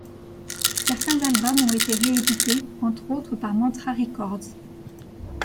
Certains albums ont été réédités, entre autres par Mantra Records.